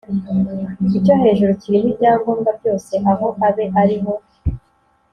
icyo hejuru kirimo ibyangombwa byose aho abe ari ho